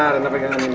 lena pegangan ini